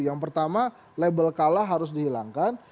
yang pertama label kalah harus dihilangkan